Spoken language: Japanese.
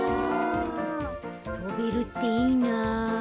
とべるっていいな。